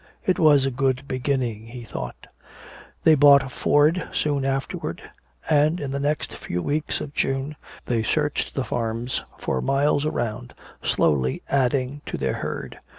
It was a good beginning, he thought. They bought a Ford soon afterwards and in the next few weeks of June they searched the farms for miles around, slowly adding to their herd.